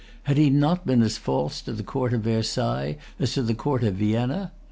Had he not been as false to the Court of Versailles as to the Court of Vienna?